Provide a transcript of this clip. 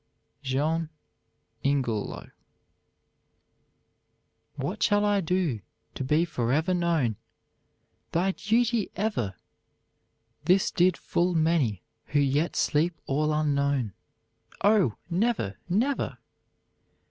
JEAN INGELOW. "'What shall I do to be forever known?' Thy duty ever! 'This did full many who yet sleep all unknown,' Oh, never, never!